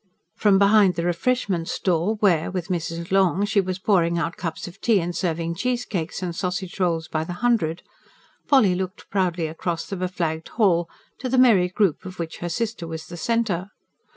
From behind the refreshment stall where, with Mrs. Long, she was pouring out cups of tea and serving cheesecakes and sausage rolls by the hundred, Polly looked proudly across the beflagged hall, to the merry group of which her sister was the centre.